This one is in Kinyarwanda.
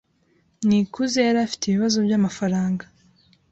Nikuze yari afite ibibazo byamafaranga.